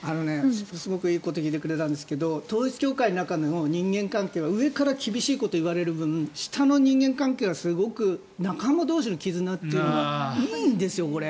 すごくいいことを聞いてくれたんですけど統一教会の中の人間関係は上から厳しいことを言われる分下の人間関係はすごく仲間同士の絆というのがいいんですよ、これ。